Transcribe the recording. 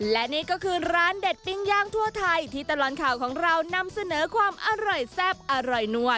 และนี่ก็คือร้านเด็ดปิ้งย่างทั่วไทยที่ตลอดข่าวของเรานำเสนอความอร่อยแซ่บอร่อยนัว